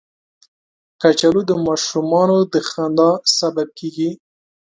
کچالو د ماشومانو د خندا سبب کېږي